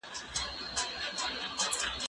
زه به اوږده موده پاکوالي ساتلي وم.